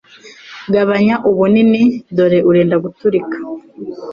Gabanya ubunini dore wenda guturika